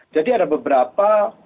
jadi ada beberapa